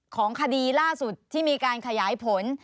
ของคดีล่าสุดที่มีการขยายผล